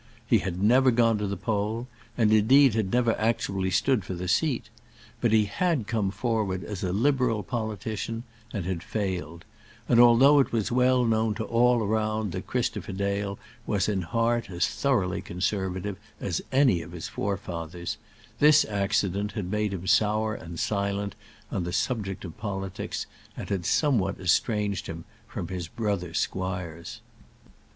He had never gone to the poll, and, indeed, had never actually stood for the seat. But he had come forward as a liberal politician, and had failed; and, although it was well known to all around that Christopher Dale was in heart as thoroughly conservative as any of his forefathers, this accident had made him sour and silent on the subject of politics, and had somewhat estranged him from his brother squires.